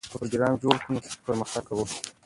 که پروګرام جوړ کړو نو پرمختګ کوو.